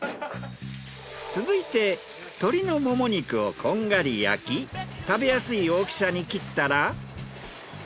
続いて鶏のモモ肉をこんがり焼き食べやすい大きさに切ったら。